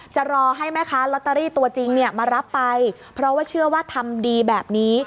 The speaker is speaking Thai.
จะรอให้แม่ค้าลอตเตอรี่ตัวจริงเนี่ยมารับไปเพราะว่าเชื่อว่าทำดีแบบนี้